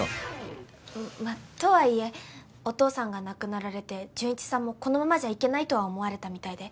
まあとはいえお父さんが亡くなられて潤一さんもこのままじゃいけないとは思われたみたいで。